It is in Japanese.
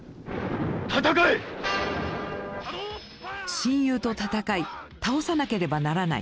親友と戦い倒さなければならない。